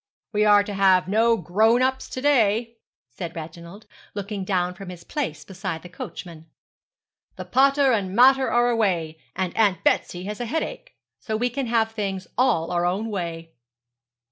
'We are to have no grown ups to day,' said Reginald, looking down from his place beside the coachman. 'The pater and mater are away, and Aunt Betsy has a headache; so we can have things all our own way.'